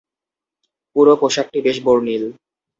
পুরো পোশাকটি বেশ বর্ণিল।